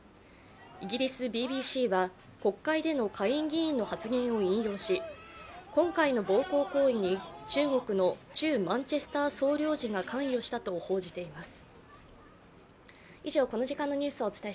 イギリスＢＢＣは国会での下院議員の発言を引用し今回の暴行行為に中国の駐マンチェスター総領事が関与したと報じています。